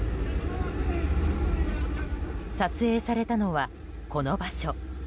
撮影されたのは、この場所。